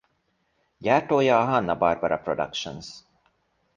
Gyártója a Hanna-Barbera Productions.